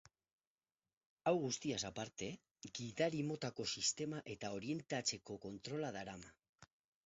Hau guztiaz aparte, gidari motako sistema eta orientatzeko kontrola darama.